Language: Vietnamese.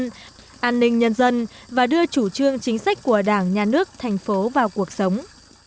tự nhiên nhân dân và đưa chủ trương chính sách của đảng nhà nước thành phố vào cuộc sống